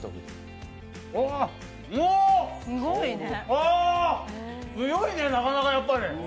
あ、あー、強いね、なかなかやっぱり。